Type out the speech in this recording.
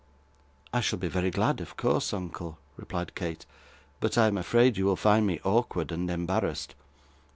'I shall be very glad, of course, uncle,' replied Kate; 'but I am afraid you will find me awkward and embarrassed.